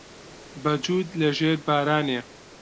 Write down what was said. بە جووت لە ژێر بارانێ